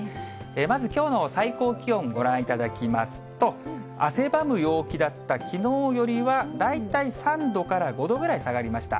まずきょうの最高気温、ご覧いただきますと、汗ばむ陽気だったきのうよりは、大体３度から５度ぐらい下がりました。